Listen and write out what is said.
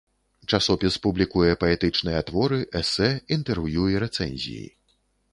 Часопіс публікуе паэтычныя творы, эсэ, інтэрв'ю і рэцэнзіі.